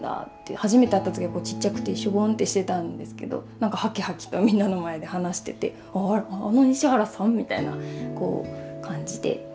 初めて会った時はちっちゃくてしょぼんってしてたんですけどなんかハキハキとみんなの前で話してて「あの西原さん？」みたいな感じで。